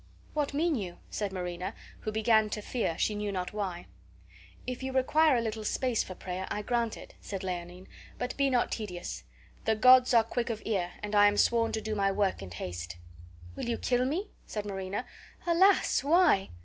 "What mean you?" said Marina, who began to fear, she knew not why. "If you require a little space for prayer, I grant it," said Leonine; "but be not tedious; the gods are quick of ear and I am sworn to do my work in haste." "Will you kill me?" said Marina. "Alas! why?"